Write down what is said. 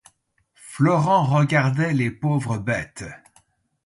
Florent regardait les pauvres bêtes.